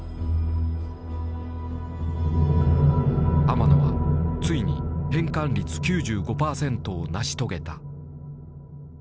天野はついに変換率９５％を成し遂げた。